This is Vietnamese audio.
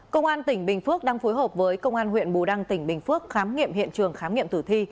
công an tỉnh bình phước đang phối hợp với công an huyện bù đăng tỉnh bình phước khám nghiệm hiện trường khám nghiệm tử thi